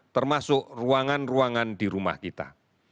termasuk ruangan ruangan di rumah kita